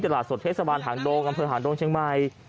ที่ตลาดสดเทศสวรรค์หางโดงอำเภยหางโดงเชียงใหม่